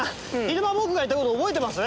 昼間僕が言った事覚えてます？